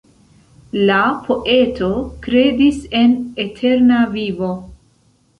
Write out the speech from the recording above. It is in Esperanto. La poeto kredis en eterna vivo.